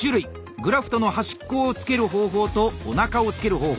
グラフトの端っこをつける方法とおなかをつける方法。